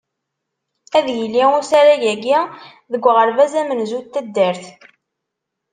Ad yili usarag-agi deg uɣerbaz amenzu n taddart.